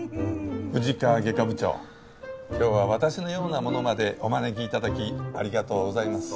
富士川外科部長今日は私のような者までお招き頂きありがとうございます。